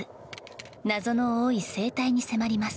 謎の多い生態に迫ります。